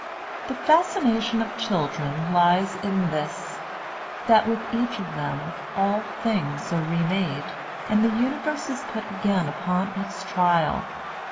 The fascination of children lies in this : that with each of them all things are remade, and the universe is put again upon its trial.